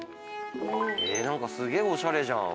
何かすげえおしゃれじゃん。